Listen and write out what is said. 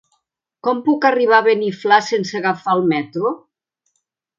Com puc arribar a Beniflà sense agafar el metro?